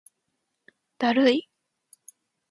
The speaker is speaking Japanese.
だるい